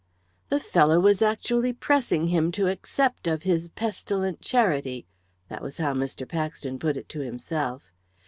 The fellow was actually pressing him to accept of his pestilent charity that was how Mr. Paxton put it to himself.